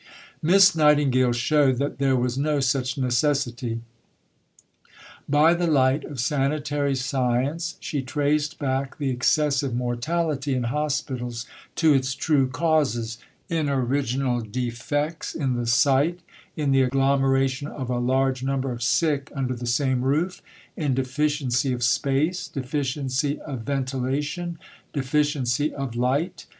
Miss Nightingale showed that there was no such necessity. By the light of sanitary science, she traced back the excessive mortality in hospitals to its true causes, in original defects in the site, in the agglomeration of a large number of sick under the same roof, in deficiency of space, deficiency of ventilation, deficiency of light.